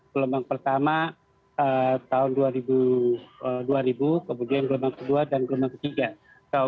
gelombang pertama tahun dua ribu kemudian gelombang kedua dan gelombang ketiga